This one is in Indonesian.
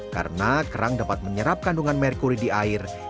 karena kerang dapat menyerap kandungan merkuri di air